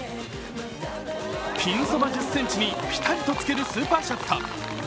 ピンそば１０ｃｍにぴたりとつけるスーパーショット。